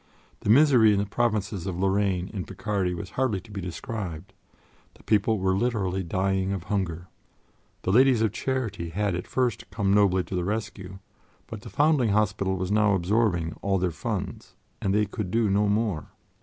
The misery in the provinces of Lorraine and Picardy was hardly to be described; the people were literally dying of hunger. The Ladies of Charity had at first come nobly to the rescue, but the Foundling Hospital was now absorbing all their funds; they could do no more.